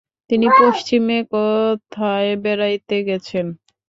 তিনি পশ্চিমে কোথায় বেড়াইতে গেছেন।